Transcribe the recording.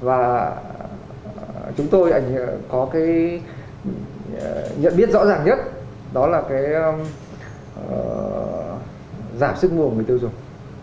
và chúng tôi có cái nhận biết rõ ràng nhất đó là cái giảm sức mua người tiêu dùng